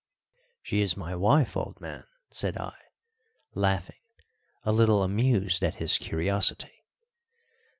"She is my wife, old man," said I, laughing, a little amused at his curiosity.